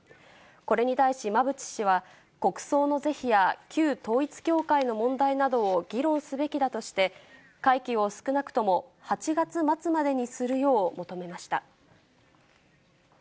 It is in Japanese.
これに対し、馬淵氏は、国葬の是非や旧統一教会の問題などを議論すべきだとして、会期を少なくとも８月末までにするよう求めました。